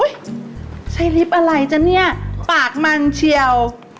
อุ้ยใช้ลิปอะไรจ้ะเนี่ยปากมังเชียว